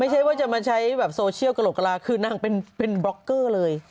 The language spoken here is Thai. ไม่ใช่ว่าจะมาใช้แบบโซเชียลกระโหลกกระลาคือนางเป็นบล็อกเกอร์เลย